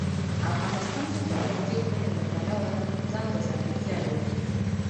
افغانستان د پابندي غرونو له پلوه ځانته ځانګړتیاوې لري.